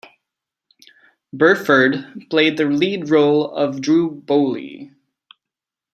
Burford played the lead role of Drew Boley.